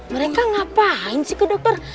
mereka ngapain sih ke dokter